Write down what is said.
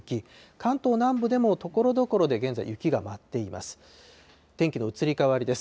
関東南部でもところどころで現在、雪が舞っています。